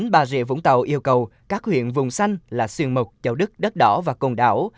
bà rịa vũng tàu yêu cầu các huyện vùng xanh là xuyên mộc châu đức đất đỏ và công đảo